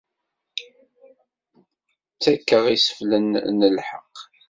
Ttaket iseflen n lḥeqq.